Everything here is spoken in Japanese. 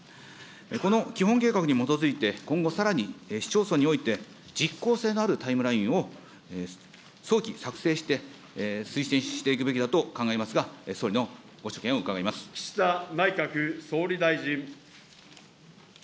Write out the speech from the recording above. この基本計画に基づいて、今後さらに市町村において実行性のあるタイムラインを早期作成して、推進していくべきだと考えますが、岸田内閣総理大臣。